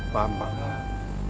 paham pak ustadz